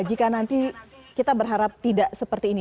jika nanti kita berharap tidak seperti ini